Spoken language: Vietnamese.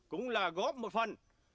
cũng là góp một phần